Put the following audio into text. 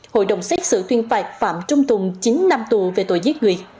hội đồng xét xử tuyên phạt phạm trung tùng chín năm tù về tội giết người